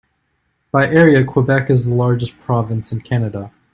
By area, Quebec is the largest province of Canada.